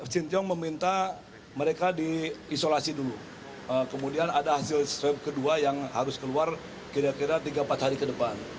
sintiong meminta mereka diisolasi dulu kemudian ada hasil swab kedua yang harus keluar kira kira tiga empat hari ke depan